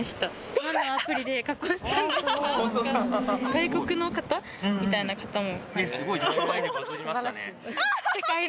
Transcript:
外国の方？みたいな方も。